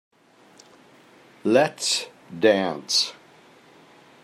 Let's dance.